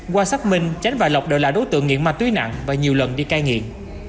qua xác minh chánh và lọc đều là đối tượng nghiện mạch tuy nặng và nhiều lần đi cai nghiện